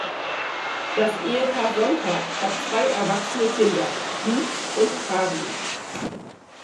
Das Ehepaar Sonntag hat zwei erwachsene Kinder, Knut und Karin.